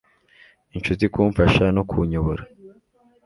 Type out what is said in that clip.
Inshuti kumfasha no kunyobora